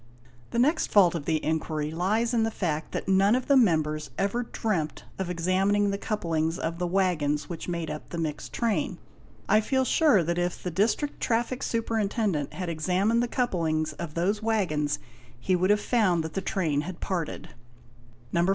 "The next fault of the inquiry lies in the fact that none of the members ever dreamt of 7 examining the couplings of the waggons which made up the mixed train. I feel sure that if the District Traffic Superintendent had examined the couplings of those waggons, he would have found that the train had parted ... "No.